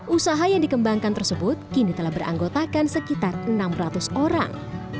usaha yang dikembangkan tersebut kini telah beranggotakan sekitar enam ratus orang